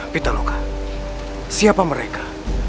pitaloka siapa mereka